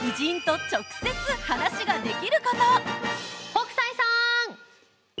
北斎さん！